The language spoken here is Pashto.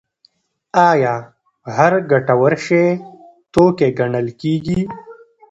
آیا هر ګټور شی توکی ګڼل کیږي؟